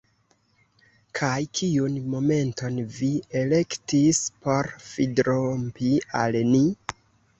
Kaj kiun momenton vi elektis por fidrompi al ni?